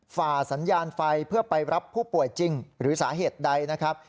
ฝ่าสัญญาณไฟเพื่อไปรับผู้ป่วยจริงหรือสาเหตุใดนะครับ